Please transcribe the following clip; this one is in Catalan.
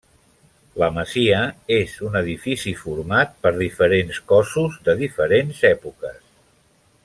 La masia és un edifici format per diferents cossos de diferents èpoques.